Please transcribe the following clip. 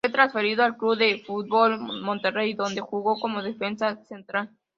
Fue transferido al Club de Fútbol Monterrey, donde jugó como Defensa Central.